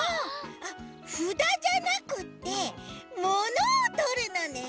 ふだじゃなくてものをとるのね！